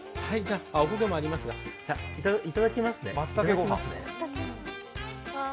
おこげもありますが、では、いただきますね。